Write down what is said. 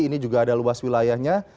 ini juga ada luas wilayahnya